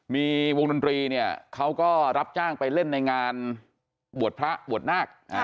มีวงดนตรีเนี่ยเขาก็รับจ้างไปเล่นในงานบวชพระบวชนาค